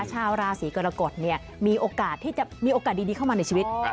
ชาวราศีกรกฎมีโอกาสที่จะมีโอกาสดีเข้ามาในชีวิต